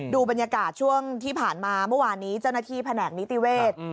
ดูบรรยากาศช่วงที่ผ่านมาเมื่อวานนี้เจ้าหน้าที่แผนกนิติเวศ